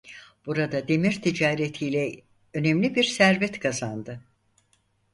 Burada demir ticareti ile önemli bir servet kazandı.